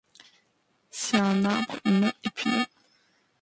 C'est un arbre non-épineux.